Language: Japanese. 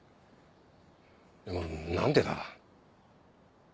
でも何でだ？